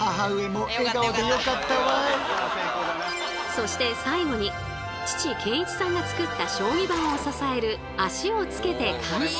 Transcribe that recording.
そして最後に父健一さんが作った将棋盤を支える脚をつけて完成。